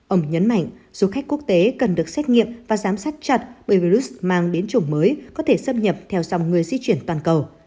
ông nhấn mạnh du khách quốc tế cần được xét nghiệm và giám sát chặt bởi virus mang biến chủng mới có thể xâm nhập theo dòng người di chuyển toàn cầu